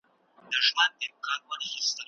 که په خوړو کې کیمیاوي مواد وي.